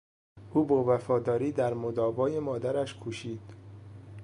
او با وفاداری در مداوای مادرش کوشید.